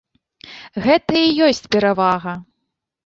Гэта і ёсць перавага.